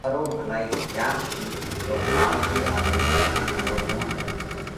ڪرو ڀلائِي ڪياڪ ٿِي، تو آوشي آڏئِي ۮک ان ۮورووڻ ۾!